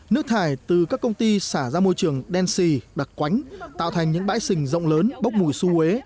nước thải từ các công ty xả ra môi trường đen xì đặc quánh tạo thành những bãi sình rộng lớn bốc mùi suế